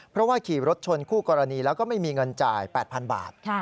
เพราะว่าขี่รถชนคู่กรณีแล้วก็ไม่มีเงินจ่าย๘๐๐๐บาท